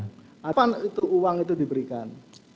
kapan uang itu diberikan